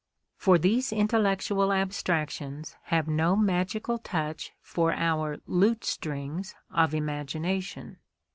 For these intellectual abstractions have no magical touch for our lute strings of imagination.